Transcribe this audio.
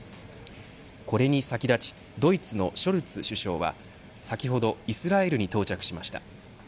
これに先立ちドイツのショルツ首相は先ほどイスラエルに到着しました。